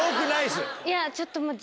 いやちょっともう。